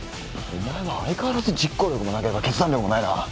お前は相変わらず実行力もなければ決断力もないな。